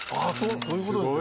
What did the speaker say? そういうことですよね。